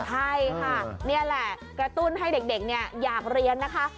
ใช่ค่ะนี่แหละกระตุ้นให้เด็กอยากเรียนนะคะ